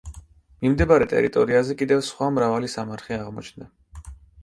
მიმდებარე ტერიტორიაზე კიდევ სხვა მრავალი სამარხი აღმოჩნდა.